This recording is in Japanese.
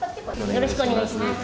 よろしくお願いします